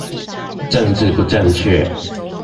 政治不正確